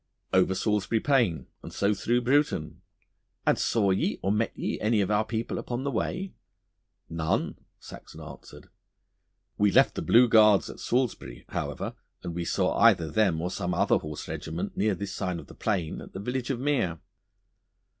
'Over Salisbury Plain and so through Bruton.' 'And saw ye or met ye any of our people upon the way?' 'None,' Saxon answered. 'We left the Blue Guards at Salisbury, however, and we saw either them or some other horse regiment near this side of the Plain at the village of Mere.